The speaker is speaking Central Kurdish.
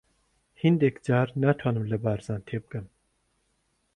هەندێک جار ناتوانم لە بارزان تێبگەم.